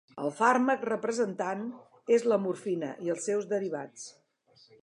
El fàrmac representant és la morfina i els seus derivats.